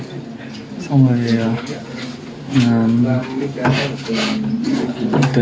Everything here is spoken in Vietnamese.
chút chút đồ ăn và tạo ẩm đạo cho tầm ẩm mạnh